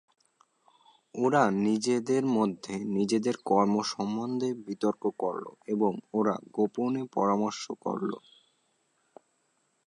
ওরা নিজেদের মধ্যে নিজেদের কর্ম সম্বন্ধে বিতর্ক করল এবং ওরা গোপনে পরামর্শ করল।